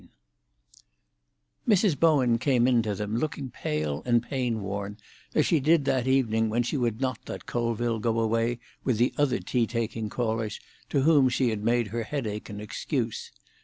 XV Mrs. Bowen came in to them, looking pale and pain worn, as she did that evening when she would not let Colville go away with the other tea taking callers to whom she had made her headache an excuse.